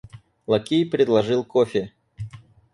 Лакей предложил кофе.